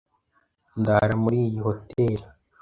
Ndara muri iyi hoteri.